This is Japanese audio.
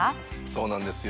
そうなんですよ。